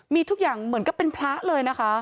มีทุกอย่างเหมือนกับเป็นพระเลยนะคะ